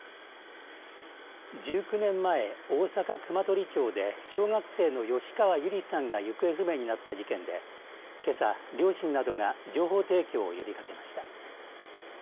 １９年前、大阪・熊取町で小学生の吉川友梨さんが行方不明になった事件でけさ両親などが情報提供を呼びかけました。